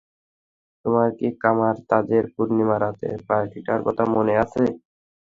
তোমার কি কামার-তাজের পূর্ণিমা রাতের পার্টিটার কথা মনে আছে?